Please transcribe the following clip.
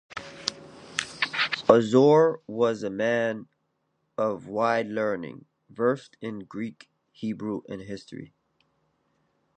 Azor was a man of wide learning, versed in Greek, Hebrew, and history.